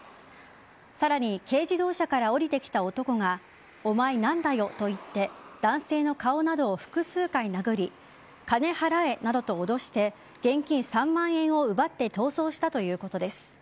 さらに軽自動車から降りてきた男がお前何なんだよと言って男性の顔などを複数回殴り金払えなどと脅して現金３万円を奪って逃走したということです。